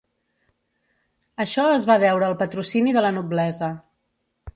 Això es va deure al patrocini de la noblesa.